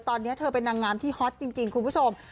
ตอนนี้เธอเป็นนางงามที่ฮอตจริงคุณผู้ชม